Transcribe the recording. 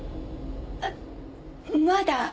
あっまだ。